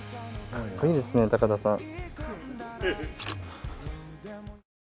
かっこいいですね高田さん。